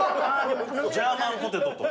ジャーマンポテトと。